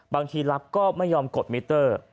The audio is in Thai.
บางทีรับก็ไม่ยอมกดมิเตอร์